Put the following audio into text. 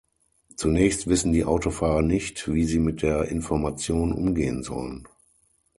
Zunächst wissen die Autofahrer nicht, wie sie mit der Information umgehen sollen.